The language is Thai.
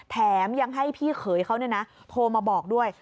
แถมยังให้พี่เขยเขาโทรมาบอกด้วย